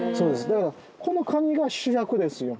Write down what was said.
だからこの蟹が主役ですよ。